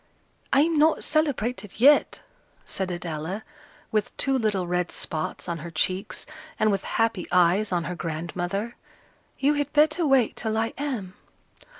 "I'm not celebrated yet," said Adela, with two little red spots on her cheeks, and with happy eyes on her grandmother. "You had better wait till I am."